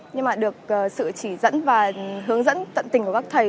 nhưng mà được sự chỉ dẫn và hướng dẫn tận tình của các thầy